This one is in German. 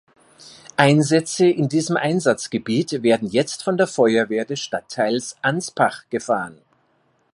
Einsätze in diesem Einsatzgebiet werden jetzt von der Feuerwehr des Stadtteils Anspach gefahren.